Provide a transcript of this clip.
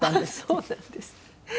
そうなんです。